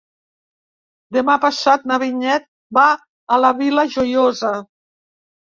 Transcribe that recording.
Demà passat na Vinyet va a la Vila Joiosa.